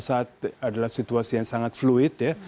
saat ini adalah situasi yang sangat fluid